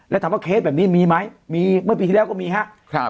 แล้วถามว่าเคสแบบนี้มีไหมมีเมื่อปีที่แล้วก็มีครับ